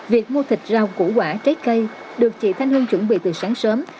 việc mua thịt rau củ quả trái cây được chị thanh hương chuẩn bị từ sáng sớm